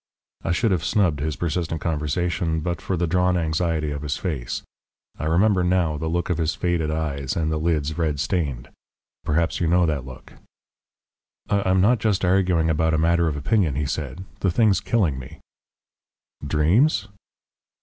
I should have snubbed his persistent conversation but for the drawn anxiety of his face. I remember now the look of his faded eyes and the lids red stained perhaps you know that look. "I'm not just arguing about a matter of opinion," he said. "The thing's killing me." "Dreams?"